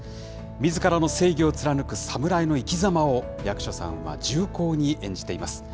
みずからの正義を貫くサムライの生きざまを、役所さんは重厚に演じています。